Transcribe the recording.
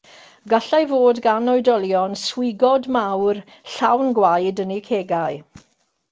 Gallai fod gan oedolion swigod mawr, llawn gwaed yn eu cegau.